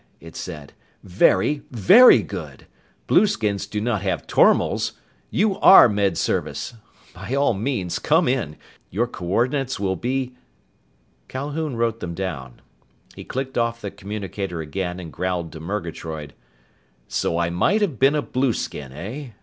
it said. "Very, very good! Blueskins do not have tormals! You are Med Service! By all means come in! Your coordinates will be...." Calhoun wrote them down. He clicked off the communicator again and growled to Murgatroyd, "So I might have been a blueskin, eh?